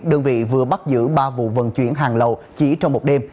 đơn vị vừa bắt giữ ba vụ vận chuyển hàng lậu chỉ trong một đêm